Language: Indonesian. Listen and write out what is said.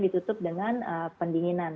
tutup dengan pendinginan